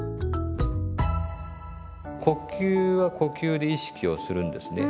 呼吸は呼吸で意識をするんですね。